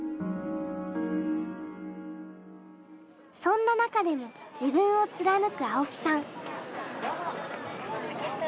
そんな中でも自分を貫く青木さん。